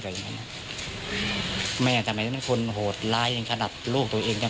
แบบอย่างเงี้ยแม่กำไมมันเป็นคนโหดร้ายอย่างขนาดลูกตัวเองจะ